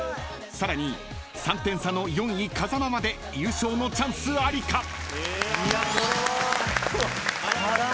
［さらに３点差の４位風間まで優勝のチャンスありか？］